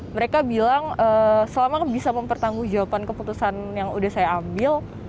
mereka bilang selama bisa mempertanggung jawaban keputusan yang sudah saya ambil